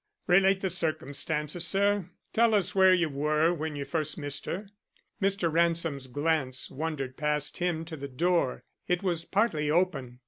"Relate the circumstances, sir. Tell us where you were when you first missed her." Mr. Ransom's glance wandered past him to the door. It was partly open.